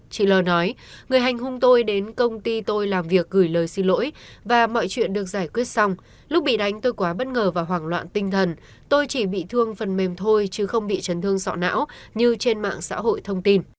chị l nói người hành hung tôi đến công ty tôi làm việc gửi lời xin lỗi và mọi chuyện được giải quyết xong lúc bị đánh tôi quá bất ngờ và hoảng loạn tinh thần tôi chỉ bị thương phần mềm thôi chứ không bị chấn thương sọ não như trên mạng xã hội thông tin